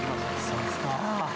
そうですか。